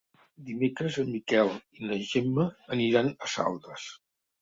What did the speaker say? Dimecres en Miquel i na Gemma aniran a Saldes.